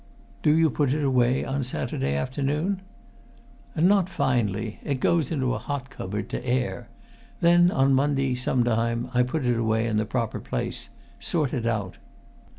"Do you put it away on Saturday afternoon?" "Not finally. It goes into a hot cupboard to air. Then on Monday, some time, I put it away in the proper place sort it out."